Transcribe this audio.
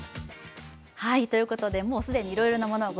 ということで、もう既にいろいろなものを